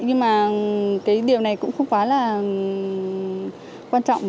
nhưng mà cái điều này cũng không quá là quan trọng